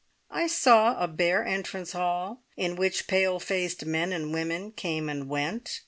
I saw a bare entrance hall, in which pale faced men and women came and went.